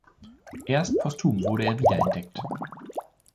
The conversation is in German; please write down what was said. Erst posthum wurde er wiederentdeckt.